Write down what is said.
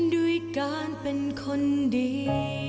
ด้วยการเป็นคนดี